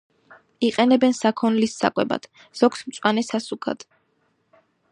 იყენებენ საქონლის საკვებად, ზოგს მწვანე სასუქად.